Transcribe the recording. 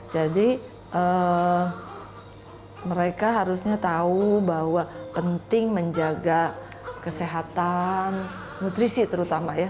jadi mereka harusnya tahu bahwa penting menjaga kesehatan nutrisi terutama ya